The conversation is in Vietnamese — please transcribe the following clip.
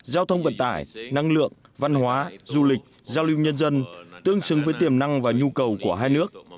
giao thông vận tải năng lượng văn hóa du lịch giao lưu nhân dân tương xứng với tiềm năng và nhu cầu của hai nước